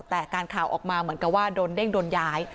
แต่การข่าวออกมาเหมือนกับว่าโดนเด้งโดนย้าย